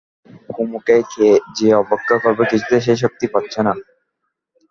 কুমুকে যে অবজ্ঞা করবে কিছুতেই সে শক্তি পাচ্ছে না।